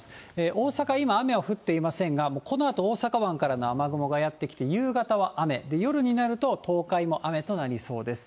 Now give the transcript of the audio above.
大阪、今、雨は降っていませんが、もうこのあと大阪湾から雨雲がやって来て、夕方は雨、夜になると東海も雨となりそうです。